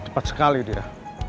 tepat sekali dia